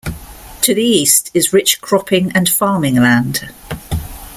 To the east is rich cropping and farming land.